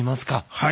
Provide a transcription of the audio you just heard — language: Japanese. はい。